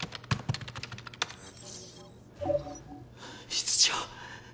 室長。